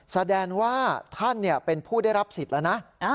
แสดงว่าท่านเป็นผู้ได้รับสิทธิ์แล้วนะ